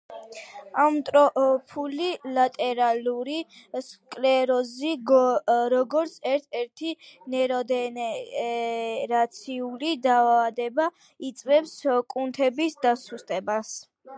ამიოტროფული ლატერალური სკლეროზი, როგორც ერთ-ერთი ნეიროდეგენერაციული დაავადება, იწვევს კუნთების დასუსტებას.